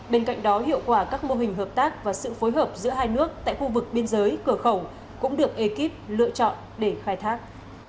bên cạnh đó hiệu quả các mô hình hợp tác và sự phối hợp giữa hai nước tại khu vực biên giới cửa khẩu cũng được ekip lựa chọn để khai thác